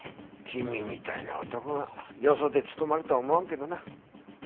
君みたいな男がよそで勤まるとは思わんけどな。